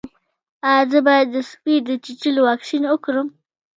ایا زه باید د سپي د چیچلو واکسین وکړم؟